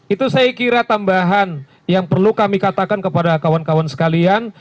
itu saya kira tambahan yang perlu kami katakan kepada kawan kawan sekalian